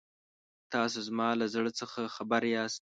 تاسو زما له زړه څخه خبر یاست.